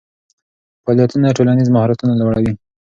فعالیتونه ټولنیز مهارتونه لوړوي.